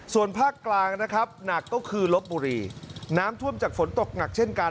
ส่วนภาคกลางนะครับหนักก็คือลบบุรีน้ำท่วมจากฝนตกหนักเช่นกัน